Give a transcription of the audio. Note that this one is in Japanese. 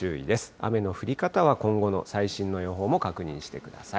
雨の降り方は、今後の最新の予報も確認してください。